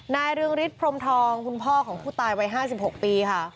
เรืองฤทธพรมทองคุณพ่อของผู้ตายวัย๕๖ปีค่ะ